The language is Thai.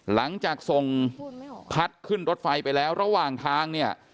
หลังจากส่งพัดขึ้นรถไฟไปแล้วระหว่างทางเนี่ย